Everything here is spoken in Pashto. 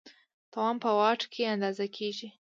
توان په واټ کې اندازه کېږي.